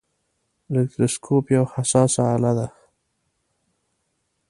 الکتروسکوپ یوه حساسه آله ده.